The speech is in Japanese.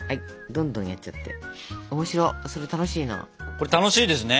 これ楽しいですね！